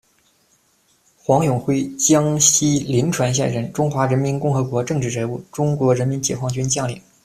黄永辉，江西临川县人，中华人民共和国政治人物、中国人民解放军将领。